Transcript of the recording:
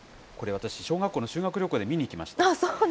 これ、私小学校の修学旅行で見に行きました。